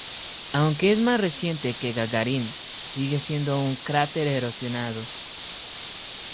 Aunque es más reciente que Gagarin, sigue siendo un cráter erosionado.